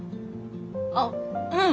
あっううん！